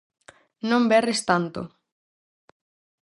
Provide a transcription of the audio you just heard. Non berres tanto.